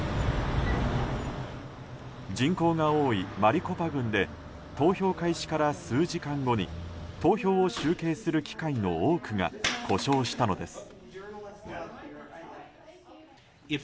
人口が多いマリコパ郡で投票開始から数時間後に投票を集計する機械の多くが故障したのです。